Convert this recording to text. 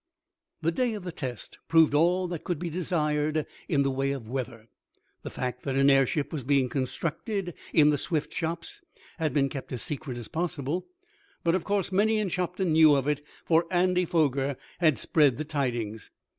The day of the test proved all that could be desired in the way of weather. The fact that an airship was being constructed in the Swift shops had been kept as secret as possible, but of course many in Shopton knew of it, for Andy Foger had spread the tidings.